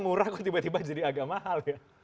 murah kok tiba tiba jadi agak mahal ya